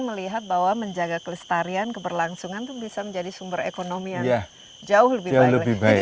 melihat bahwa menjaga kelestarian keberlangsungan itu bisa menjadi sumber ekonomi yang jauh lebih baik lagi